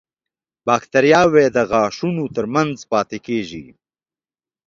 باکتریاوې د غاښونو تر منځ پاتې کېږي.